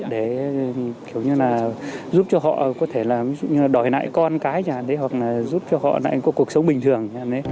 để kiểu như là giúp cho họ có thể là đòi nại con cái hoặc là giúp cho họ có cuộc sống bình thường